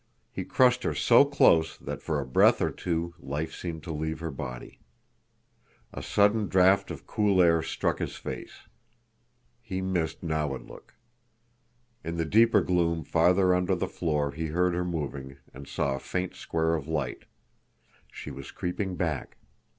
He crushed her so close that for a breath or two life seemed to leave her body. A sudden draught of cool air struck his face. He missed Nawadlook. In the deeper gloom farther under the floor he heard her moving, and saw a faint square of light. She was creeping back.